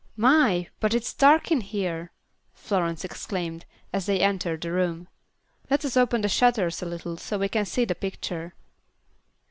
"My, but it's dark in here!" Florence exclaimed, as they entered the room. "Let us open the shutters a little so we can see the picture."